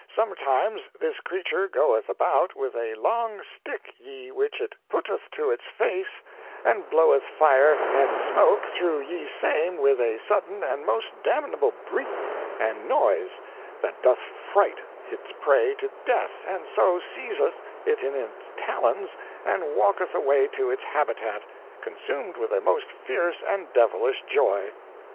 Sometimes this creature goeth about with a long stick ye which it putteth to its face and bloweth fire and smoke through ye same with a sudden and most damnable bruit and noise that doth fright its prey to death, and so seizeth it in its talons and walketh away to its habitat, consumed with a most fierce and devilish joy.'